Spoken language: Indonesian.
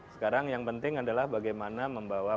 sekarang yang penting adalah bagaimana membawa